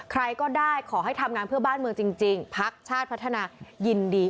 ใครก็ได้ขอให้ทำงานเพื่อบ้านเมืองจริงพักชาติพัฒนายินดี